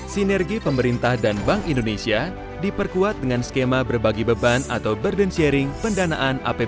sinergi pemerintah dan bank indonesia diperkuat dengan skema berbagi beban atau burden sharing pendanaan apbn